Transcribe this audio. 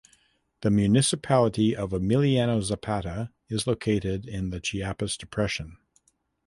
The municipality of Emiliano Zapata is located in the Chiapas Depression.